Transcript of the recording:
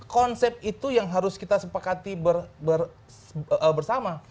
konsep itu yang harus kita sepakati bersama